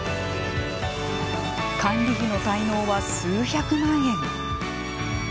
管理費の滞納は、数百万円。